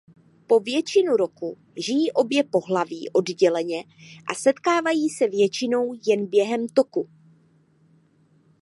Po většinu roku žijí obě pohlaví odděleně a setkávají se většinou jen během toku.